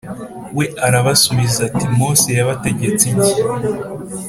we arabasubiza ati Mose yabategetse iki